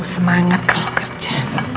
semangat kalau kerja